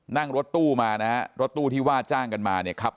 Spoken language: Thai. นั่งรถตู้มานะฮะรถตู้ที่ว่าจ้างกันมาเนี่ยครับ